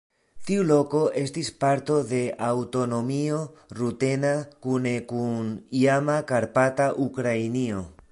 Tiu loko estis parto de aŭtonomio rutena kune kun iama Karpata Ukrainio.